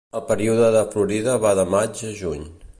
El període de florida va de maig a juny.